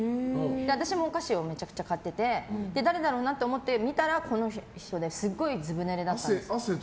私も、お菓子をめちゃくちゃ買ってて誰だろうなって思って見たらこの人ですごいずぶ濡れだったんです。